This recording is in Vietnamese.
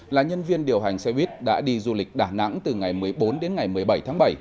là nhân viên điều hành xe buýt đã đi du lịch đà nẵng từ ngày một mươi bốn đến ngày một mươi bảy tháng bảy